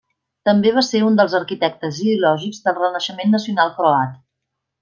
També va ser un dels arquitectes ideològics del renaixement nacional croat.